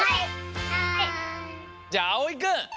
じゃああおいくん。